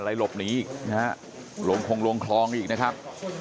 หลบหนีอีกนะฮะลงคงลงคลองอีกนะครับ